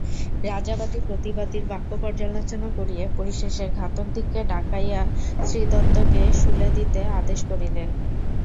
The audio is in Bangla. রাজা বাদী প্রতিবাদীর বাক্য পর্যালোচনা করিয়া পরিশেষে ঘাতকদিগকে ডাকাইয়া শ্রীদত্তকে শূলে দিতে আদেশ করিলেন।